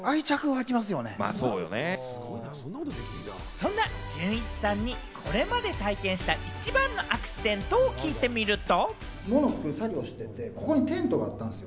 そんな、じゅんいちさんに、これまで体験した一番のアクシデントを聞いてみると。